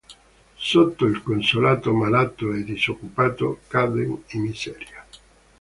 Sotto il Consolato, malato e disoccupato, cadde in miseria.